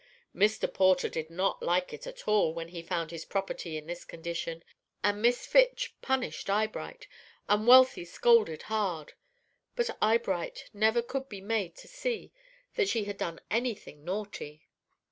Mr. Porter did not like it at all, when he found his property in this condition, and Miss Fitch punished Eyebright, and Wealthy scolded hard; but Eyebright never could be made to see that she had done any thing naughty.